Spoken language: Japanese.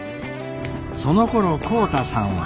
そのころ浩太さんは。